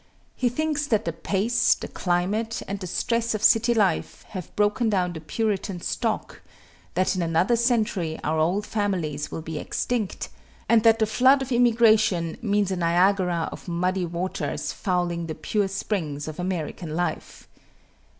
He thinks that the pace, the climate, and the stress of city life, have broken down the Puritan stock, that in another century our old families will be extinct, and that the flood of immigration means a Niagara of muddy waters fouling the pure springs of American life.